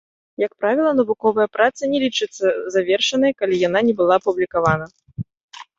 Як правіла, навуковая праца не лічыцца завершанай, калі яна не была апублікавана.